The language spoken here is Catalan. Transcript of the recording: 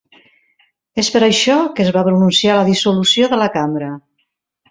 És per això que es va pronunciar la dissolució de la Cambra.